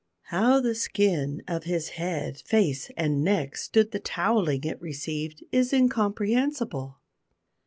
How the skin of his head, face, and neck stood the towelling it received is incomprehensible!